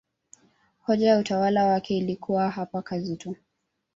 Hoja ya utawala wake ilikuwa hapa kazi tu